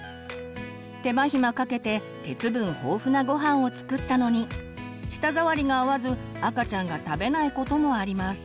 手間暇かけて鉄分豊富なごはんを作ったのに舌触りが合わず赤ちゃんが食べないこともあります。